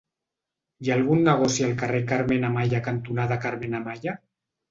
Hi ha algun negoci al carrer Carmen Amaya cantonada Carmen Amaya?